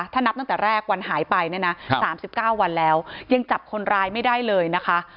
ถ้านับตั้งแต่แรกวันหายไปเนี่ยนะ๓๙วันแล้วยังจับคนร้ายไม่ได้เลยนะคะ